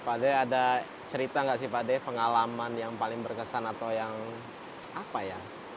pak de ada cerita nggak sih pak de pengalaman yang paling berkesan atau yang apa ya